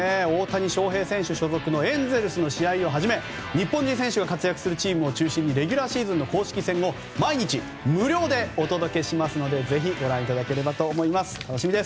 大谷翔平選手所属のエンゼルスの試合をはじめ日本人選手が活躍するチームを中心にレギュラーシーズン公式戦を毎日無料でお届けしますのでぜひご覧ください。